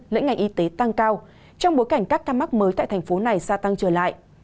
lĩnh ngành y tế tăng cao trong bối cảnh các ca mắc mới tại thành phố này gia tăng trở lại